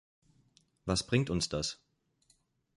Was bringt uns das?